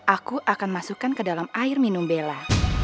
aku akan masukkan ke dalam air minum bella